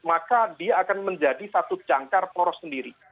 maka dia akan menjadi satu jangkar poros sendiri